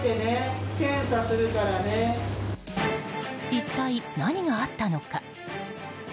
一体何があったのか。